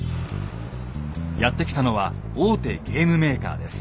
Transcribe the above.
やって来たのは大手ゲームメーカーです。